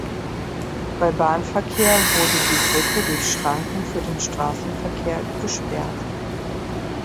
Bei Bahnverkehr wurde die Brücke durch Schranken für den Straßenverkehr gesperrt.